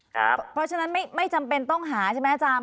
เพราะฉะนั้นไม่จำเป็นต้องหาใช่ไหมอาจารย์